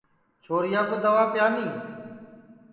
چھوریا کُو دئوا پیانی